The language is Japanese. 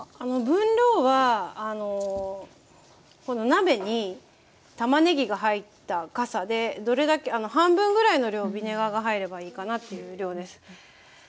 分量はこの鍋にたまねぎが入ったかさで半分ぐらいの量ビネガーが入ればいいかなっていう量です。